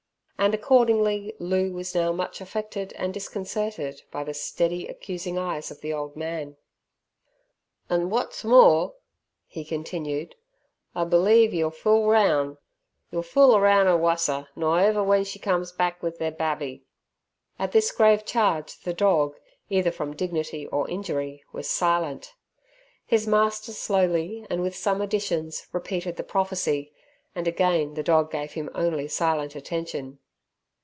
And accordingly Loo was now much affected and disconcerted by the steady accusing eyes of the old man. "An' wot's more," he continued, "I believe ye'll fool roun', ye'll fool aroun' 'er wusser nor ever w'en she comes back with ther babby." At this grave charge the dog, either from dignity or injury, was silent. His master, slowly and with some additions, repeated the prophecy, and again the dog gave him only silent attention.